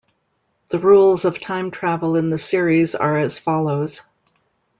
The rules of time travel in the series are as follows.